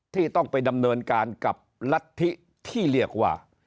ที่ต้องไปดำเนินการกับรัฐทิที่เรียกว่าบูชาตัวบุคคล